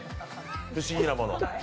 不思議なもの。